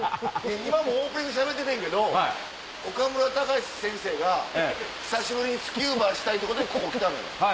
今もオープニングでしゃべっててんけど岡村隆史先生が久しぶりにスキューバしたいってことでここ来たのよ。